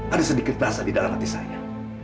ada sedikit rasa di dalam hati saya